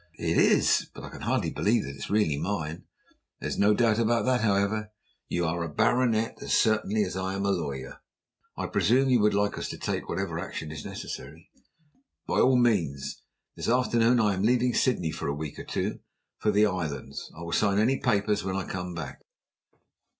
"It is! But I can hardly believe that it is really mine." "There is no doubt about that, however. You are a baronet as certainly as I am a lawyer. I presume you would like us to take whatever action is necessary?" "By all means. This afternoon I am leaving Sydney, for a week or two, for the Islands. I will sign any papers when I come back."